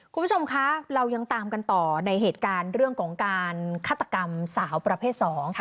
คุณผู้ชมคะเรายังตามกันต่อในเหตุการณ์เรื่องของการฆาตกรรมสาวประเภทสอง